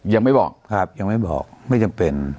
ยังไม่บอกครับยังไม่บอกไม่จำเป็น